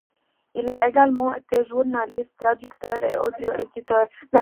Il a également été journaliste, traducteur et audioéditeur.